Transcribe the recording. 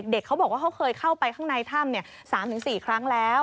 เขาบอกว่าเขาเคยเข้าไปข้างในถ้ำ๓๔ครั้งแล้ว